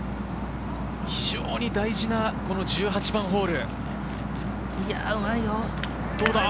非常に大事な１８番ホール。